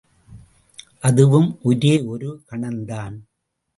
அதுவும் ஒரே ஒரு கணந்தான்!